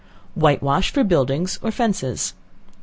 White wash for Buildings or Fences.